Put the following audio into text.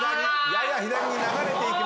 やや左に流れていきまして。